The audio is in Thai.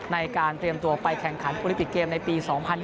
ในการเตรียมตัวไปแข่งขันโอลิปิกเกมในปี๒๐๒๐